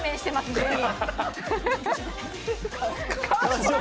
全員。